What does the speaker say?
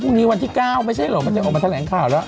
พรุ่งนี้วันที่๙ไม่ใช่เหรอมันมาแถวแรงข่าวแล้ว